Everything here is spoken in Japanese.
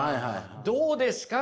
どうですか？